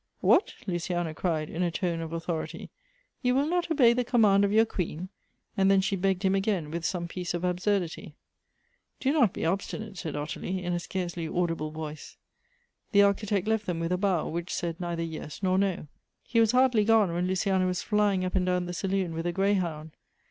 "What!" Luciana cried, in a tone of authority; "you will not obey the command of your queen !" and then she begged him again with some piece of absurdity. " Do not be obstinate," said Ottilie, in a scarcely audi ble voice. The Architect left them with a bow, which said neither yes nor no. He was hardly gone, when Luciana was flying up and down the saloon with a greyhound.